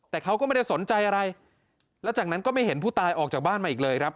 แต่เขาก็ไม่ได้สนใจอะไรแล้วจากนั้นก็ไม่เห็นผู้ตายออกจากบ้านมาอีกเลยครับ